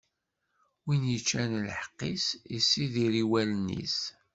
Win iččan lḥeqq-is, issidir i wallen-is.